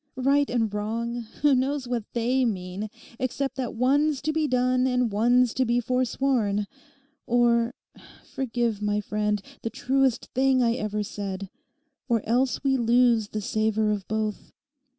Right and wrong, who knows what they mean, except that one's to be done and one's to be forsworn; or—forgive, my friend, the truest thing I ever said—or else we lose the savour of both.